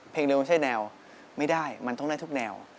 เร็วมันใช่แนวไม่ได้มันต้องได้ทุกแนว